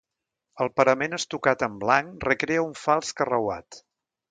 El parament estucat en blanc recrea un fals carreuat.